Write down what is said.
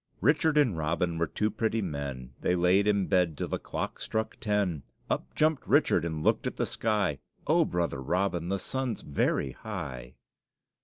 Richard and Robin were two pretty men, They laid in bed till the clock struck ten; Up jumped Richard and looked at the sky; O, Brother Robin, the sun's very high!